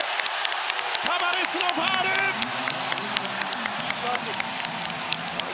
タバレスのファウル。